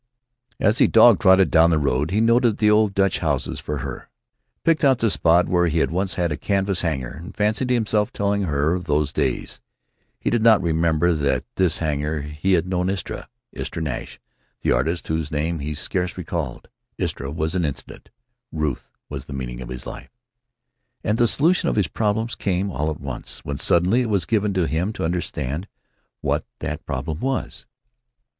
As he dog trotted down the road, he noted the old Dutch houses for her; picked out the spot where he had once had a canvas hangar, and fancied himself telling her of those days. He did not remember that at this hangar he had known Istra, Istra Nash, the artist, whose name he scarce recalled. Istra was an incident; Ruth was the meaning of his life. And the solution of his problem came, all at once, when suddenly it was given to him to understand what that problem was.